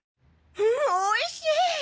おいしい！